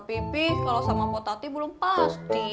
pipih kalau sama botati belum pasti